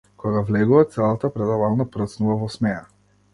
Кога влегува, целата предавална прснува во смеа.